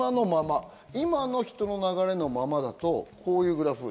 で、今のまま、今の人の流れのままだと、こういうグラフ。